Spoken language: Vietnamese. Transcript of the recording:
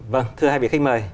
vâng thưa hai vị khách mời